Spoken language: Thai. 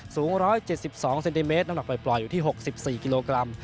สูง๑๗๒เซนติเมตรน้ำหนักปล่อยอยู่ที่๖๔กิโลกรัม